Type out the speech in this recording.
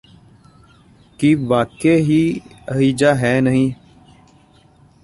ਕੀ ਵਾਕਈ ਹੀ ਅਜਿਹਾ ਹੈ ਨਹੀਂ